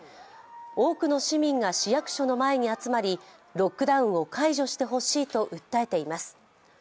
多くの市民が市役所の前に集まり、ロックダウンを解除してほしいと訴えています。